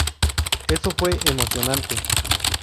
Eso fue emocionante.